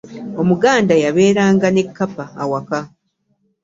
omuganda yabeera nga n'ekapa ewaka